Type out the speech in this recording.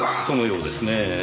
そのようですねぇ。